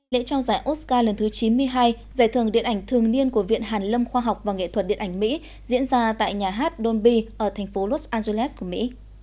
lễ trao giải oscar lần thứ chín mươi hai giải thưởng điện ảnh thường niên của viện hàn lâm khoa học và nghệ thuật điện ảnh mỹ diễn ra tại nhà hát donby ở thành phố los angeles của mỹ